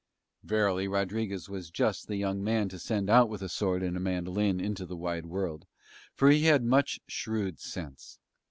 Verily Rodriguez was just the young man to send out with a sword and a mandolin into the wide world, for he had much shrewd sense.